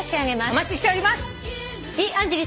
お待ちしております。